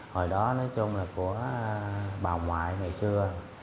hồi đó nói chung là của bà ngoại ngày xưa